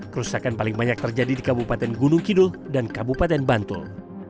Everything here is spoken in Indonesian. kerusakan paling banyak terjadi di kabupaten gunung kidul dan kabupaten bantul